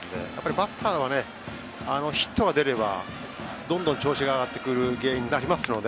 バッターのヒットが出ればどんどん調子が上がってくるゲームになりますので。